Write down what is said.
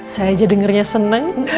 saya aja dengernya seneng